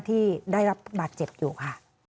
ที่ได้รับบาดเจ็บอยู่ค่ะ